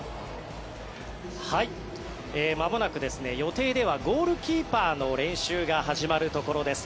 まもなく予定ではゴールキーパーの練習が始まるところです。